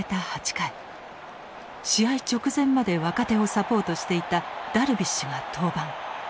試合直前まで若手をサポートしていたダルビッシュが登板。